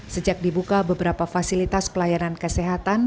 sejak dibuka beberapa fasilitas pelayanan kesehatan